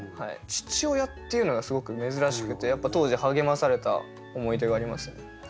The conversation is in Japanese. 父親っていうのがすごく珍しくてやっぱ当時励まされた思い出がありますね。